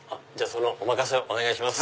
そのお任せをお願いします。